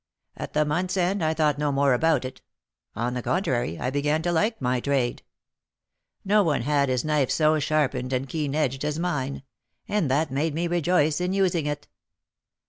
At the month's end I thought no more about it; on the contrary, I began to like my trade. No one had his knife so sharpened and keen edged as mine; and that made me rejoice in using it.